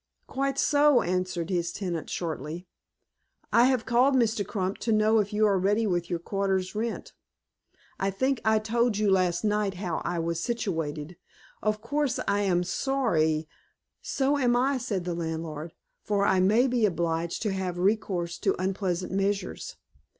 "Quite so," answered his tenant, shortly. "I have called, Mr. Crump, to know if you are ready with your quarter's rent." "I think I told you, last night, how I was situated. Of course I am sorry " "So am I," said the landlord, "for I may be obliged to have recourse to unpleasant measures."